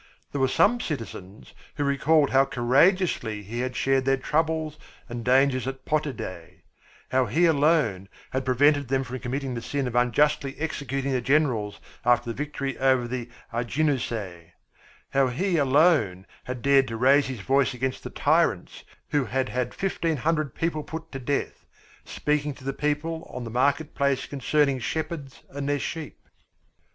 There were some citizens who recalled how courageously he had shared their troubles and dangers at Potidæa; how he alone had prevented them from committing the sin of unjustly executing the generals after the victory over the Arginusæe; how he alone had dared to raise his voice against the tyrants who had had fifteen hundred people put to death, speaking to the people on the market place concerning shepherds and their sheep.